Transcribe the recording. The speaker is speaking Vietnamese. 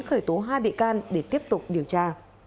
khởi tố hai bị can để tiếp tục điều tra